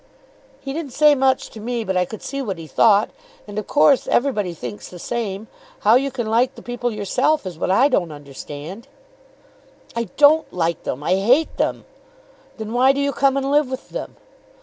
"He didn't say much to me, but I could see what he thought. And of course everybody thinks the same. How you can like the people yourself is what I can't understand!" "I don't like them, I hate them." "Then why do you come and live with them?"